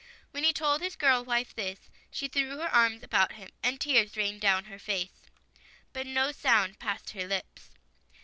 When he told his girl wife this, she threw her arms about him and tears rained down her face, but no sound passed her lips.